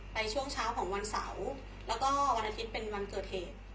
ช่วงเช้าของวันเสาร์แล้วก็วันอาทิตย์เป็นวันเกิดเหตุ